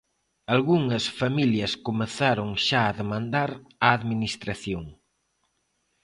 Algunhas familias comezaron xa a demandar á Administración.